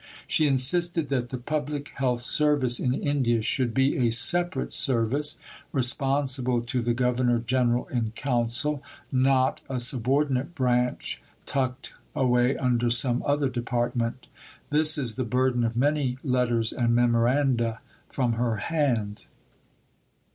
She insisted that the Public Health Service in India should be a separate service, responsible to the Governor General in Council, not a subordinate branch tucked away under some other department. This is the burden of many letters and memoranda from her hand.